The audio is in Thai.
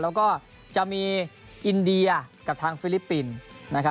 แล้วก็จะมีอินเดียกับทางฟิลิปปินส์นะครับ